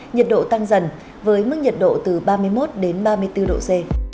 nhiệt độ tăng dần với mức nhiệt độ từ ba mươi một đến ba mươi bốn độ c